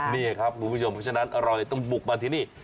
นี่ครับคุณผู้ชมเพราะฉะนั้นเราเลยต้องบุกมาที่นี่